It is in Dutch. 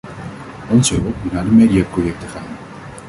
Onze hulp moet naar de mediaprojecten gaan.